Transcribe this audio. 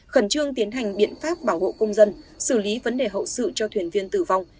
khẩn trương tiến hành biện pháp bảo hộ công dân xử lý vấn đề hậu sự cho thuyền viên tử vong